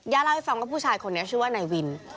เล่าให้ฟังว่าผู้ชายคนนี้ชื่อว่านายวิน